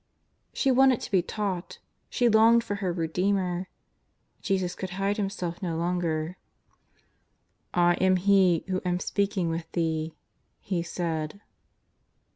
She wanted to be taught, she longed for her Ee deemer. Jesus could hide Himself no longer. " I am He who am speaking with thee," He said.